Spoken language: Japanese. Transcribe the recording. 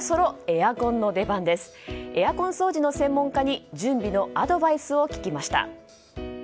エアコン掃除の専門家に準備のアドバイスを聞きました。